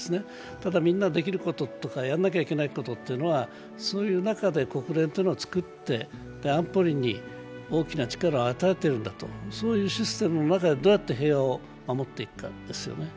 ただみんな、できることややらなきゃいけないことは、国連というのを作って、安保理に大きな力を与えてるんだと、そういうシステムでどうやって平和を守っていくかですよね。